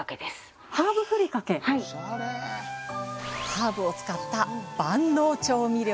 ハーブを使った万能調味料です。